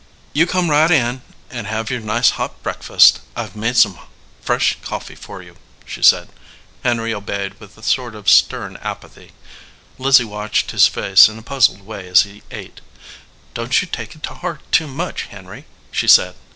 "You come right in and have your nice hot breakfast. I ve made some fresh coffee for you," she said. Henry obeyed with a sort of stern apathy. Lizzie watched his face in a puzzled way as he ate. "Don t you take it to heart too much, Henry," she said.